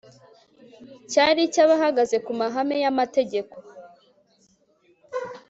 cyari icy'abahagaze ku mahame y'amategeko